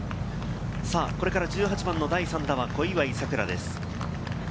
これから１８番の第３打は小祝さくらです。